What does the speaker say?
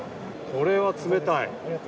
これは冷たい。